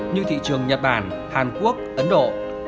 như thị trường nhật bản hàn quốc ấn độ